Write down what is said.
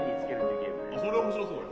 それ面白そうやな。